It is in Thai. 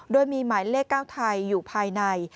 โดยมีหมายเลข๙ไทยอยู่ภายใน